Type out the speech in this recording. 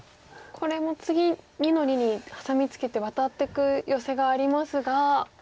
これも次２の二にハサミツケてワタっていくヨセがありますが。